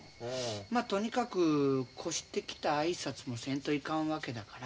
まあとにかく越してきた挨拶もせんといかんわけだから。